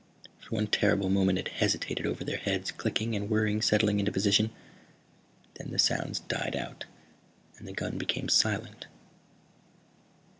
For one terrible moment it hesitated over their heads, clicking and whirring, settling into position. Then the sounds died out and the gun became silent.